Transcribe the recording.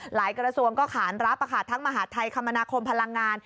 กระทรวงก็ขานรับทั้งมหาธัยคมนาคมพลังงาน